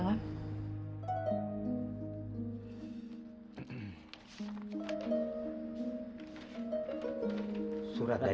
ini mas ada surat undangan